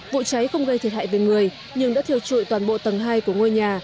vụ cháy không gây thiệt hại về người nhưng đã thiêu trụi toàn bộ tầng hai của ngôi nhà